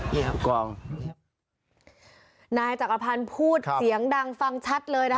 นายจักรพรพูดเสียงดั่งฟังชัดเลย